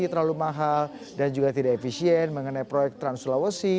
terlalu mahal dan juga tidak efisien mengenai proyek trans sulawesi